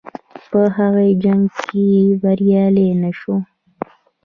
په هغه جنګ کې بریالی نه شو.